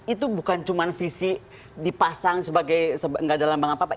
itu bukan cuma visi dipasang sebagai nggak ada lambang apa apa